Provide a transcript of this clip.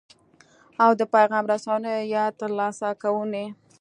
او د پیغام رسونې یا ترلاسه کوونې.